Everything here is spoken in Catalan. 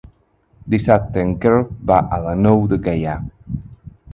Dissabte en Quer va a la Nou de Gaià.